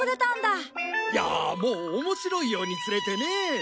いやあもう面白いように釣れてね。